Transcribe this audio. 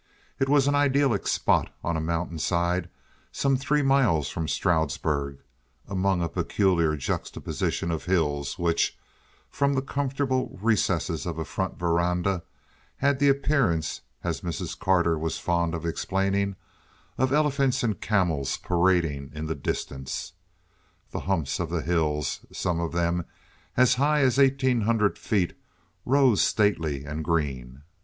It was an idyllic spot on a mountainside, some three miles from Stroudsburg, among a peculiar juxtaposition of hills which, from the comfortable recesses of a front veranda, had the appearance, as Mrs. Carter was fond of explaining, of elephants and camels parading in the distance. The humps of the hills—some of them as high as eighteen hundred feet—rose stately and green.